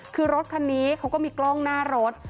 คือรถคันนี้เขาก็มีกล้องหน้ารถ